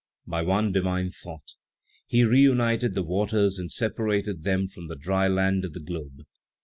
By one divine thought, He reunited the waters and separated them from the dry land of the globe.